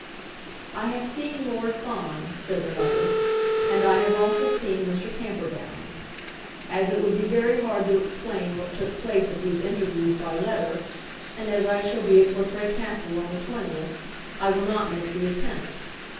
"I have seen Lord Fawn," said the letter, "and I have also seen Mr. Camperdown. As it would be very hard to explain what took place at these interviews by letter, and as I shall be at Portray Castle on the 20th, I will not make the attempt.